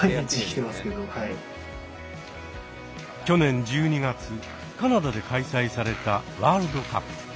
去年１２月カナダで開催されたワールドカップ。